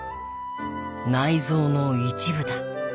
内臓の一部だ。